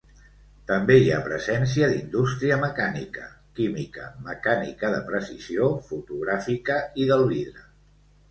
També hi ha presència d'indústria mecànica, química, mecànica de precisió, fotogràfica i del vidre.